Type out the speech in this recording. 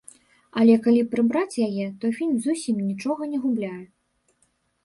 Але калі прыбраць яе, то фільм зусім нічога не губляе.